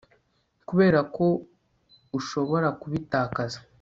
kubera ko ushobora kubitakaza